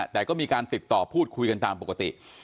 แต่ก็มีการติดต่อพูดคุยกันตามปกติ